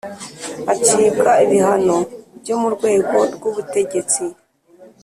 Acibwa ibihano byo mu rwego rw ubutegetsi